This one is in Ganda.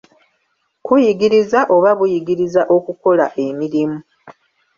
Kuyigiriza oba buyigiriza okukola emirimu.